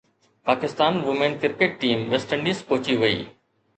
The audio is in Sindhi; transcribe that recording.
Pakistan women cricket team West Indies پهچي وئي